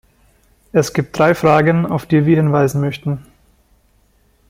Es gibt drei Fragen, auf die wir hinweisen möchten.